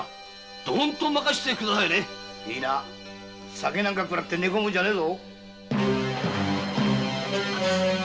酒なんかくらって寝込むんじゃないぞ！